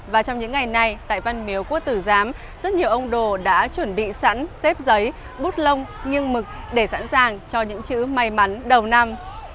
và trong những ngày này tại văn miếu quốc tử giám rất nhiều ông đồ đã chuẩn bị sẵn xếp giấy bút lông nghiêng mực để sẵn sàng cho những chữ may mắn đầu năm